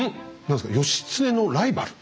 何ですか義経のライバル？